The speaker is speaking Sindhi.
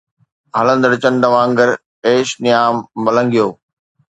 ھلندڙ چنڊ وانگر، ايش نيام مان لنگھيو